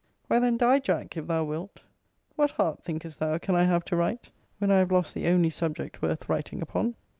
Why, then, die, Jack, if thou wilt. What heart, thinkest thou, can I have to write, when I have lost the only subject worth writing upon?